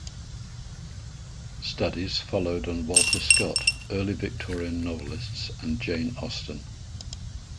Studies followed on Walter Scott, early Victorian novelists and Jane Austen.